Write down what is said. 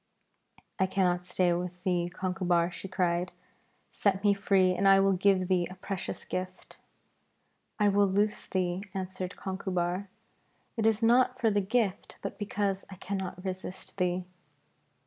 'I cannot stay with thee, Conchubar,' she cried; 'set me free, and I will give thee a precious gift.' 'I will loose thee,' answered Conchubar. 'It is not for the gift, but because I cannot resist thee.'